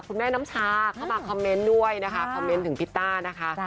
แม่น้ำชาเข้ามาคอมเมนต์ด้วยนะคะคอมเมนต์ถึงพิตต้านะคะ